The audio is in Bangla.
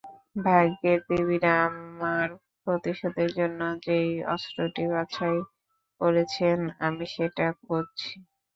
ভাগ্যের দেবীরা আমার প্রতিশোধের জন্য যেই অস্ত্রটি বাছাই করেছেন, আমি সেটা খুঁজছি।